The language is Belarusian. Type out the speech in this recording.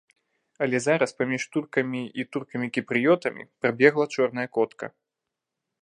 Але зараз паміж туркамі і туркамі-кіпрыётамі прабегла чорная котка.